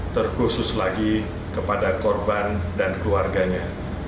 terkhusus lagi kepada korban dan keluarganya